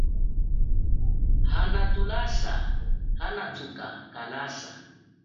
Ana thulasa hathuka kukalasa.